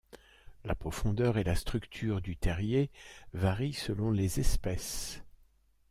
La profondeur et la structure du terrier varient selon les espèces.